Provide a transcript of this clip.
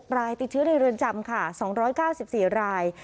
รายติดเชื้อในเรือนจำค่ะ๒๙๔ราย